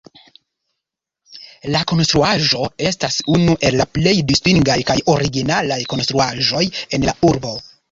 La konstruaĵo estas unu el la plej distingaj kaj originalaj konstruaĵoj en la urbo.